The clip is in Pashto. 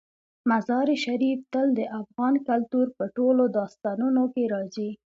مزارشریف تل د افغان کلتور په ټولو داستانونو کې راځي.